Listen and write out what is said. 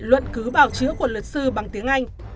luận cứ bảo chữa của luật sư bằng tiếng anh